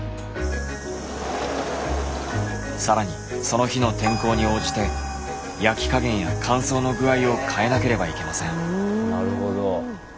更にその日の天候に応じて焼き加減や乾燥の具合を変えなければいけません。